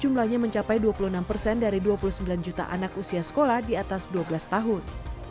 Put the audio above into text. jumlahnya mencapai dua puluh enam persen dari dua puluh sembilan juta anak usia sekolah di atas dua belas tahun